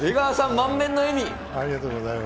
満面の笑み。